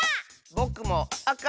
ぼくもあか！